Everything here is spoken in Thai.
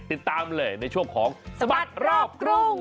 ติดตามเลยในช่วงของสบัดรอบกรุง